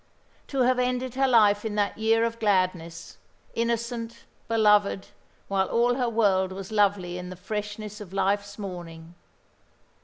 To have ended her life in that year of gladness, innocent, beloved, while all her world was lovely in the freshness of life's morning.